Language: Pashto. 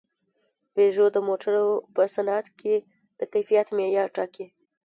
پيژو د موټرو په صنعت کې د کیفیت معیار ټاکي.